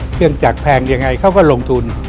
เครื่องจักรแพงยังไงเขาก็ลงทุน